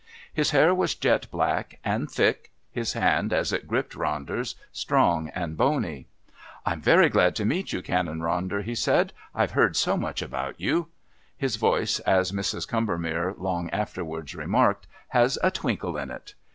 His hair was jet black and thick; his hand, as it gripped Ronder's, strong and bony. "I'm very glad to meet you, Canon Ronder," he said. "I've heard so much about you." His voice, as Mrs. Combermere long afterwards remarked, "has a twinkle in it."